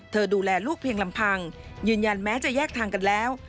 ดูแลลูกเพียงลำพังยืนยันแม้จะแยกทางกันแล้ว